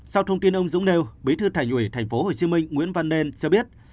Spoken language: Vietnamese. sau thông tin ông dũng nêu bí thư thành ủy tp hcm nguyễn văn nên cho biết